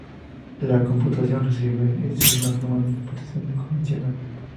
La computación reversible es una forma de computación no convencional.